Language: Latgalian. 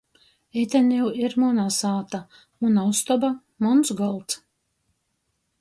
Ite niu ir muna sāta. Muna ustoba. Muns golds.